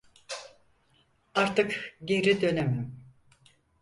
Artık geri dönemem.